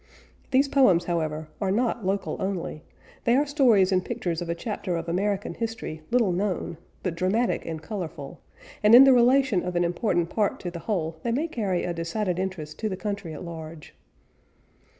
These poems, however, are not local only, they are stories and pictures of a chapter of American history little known, but dramatic and colorful, and in the relation of an important part to the whole they may carry a decided interest to the country at large.